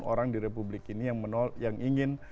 orang di republik ini yang ingin